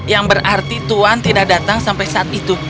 yang berarti tuhan tidak datang sampai saat itu